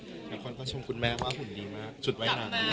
คนก็ชมคุณแม่ว่าหุ่นดีมากจุดไว้นานดีมาก